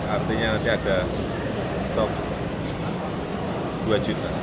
artinya nanti ada stok dua juta